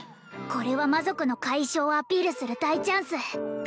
これは魔族の甲斐性をアピールする大チャンス